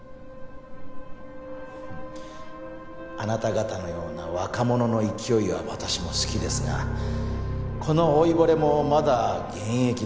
あなた方のような若者の勢いは私も好きですがこの老いぼれもまだ現役です。